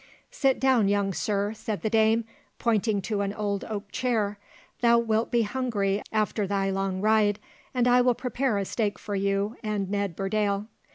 "Sit down, young sir," said the dame, pointing to an old oak chair. "Thou wilt be hungry after thy long ride; and I will prepare a steak for you and Ned Burdale."